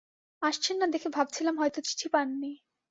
আসছেন না দেখে ভাবছিলাম হয়তো চিঠি পান নি।